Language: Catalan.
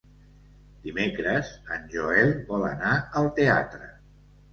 Dimecres en Joel vol anar al teatre.